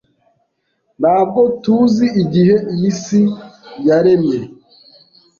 Ntabwo tuzi igihe iyi si yaremye.